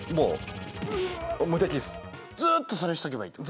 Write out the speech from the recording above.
ずっとそれしておけばいいって事？